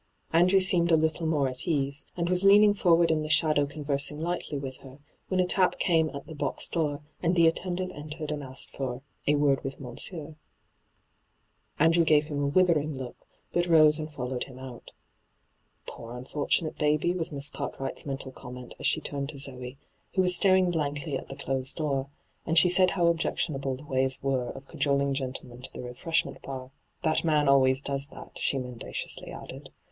Andrew seemed a little more at ease, and was leaning forward in the shadow conversing lightly with her, when a tap came at the box door, and the attendant entered and asked for ' a word with monsieur.' Andrew gave him a withering look, but rose and followed him out. / Poor unfortunate baby I' was Miss Cart wright's mental comment as she turned to Zoe, who was staring blankly at the closed door, and she said how objectionable the ways were of cajoling gentlemen to the refreshment bar. ' That man always does that/ she mendaciously added.